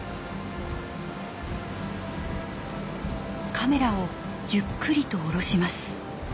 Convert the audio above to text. カメラをゆっくりと下ろします。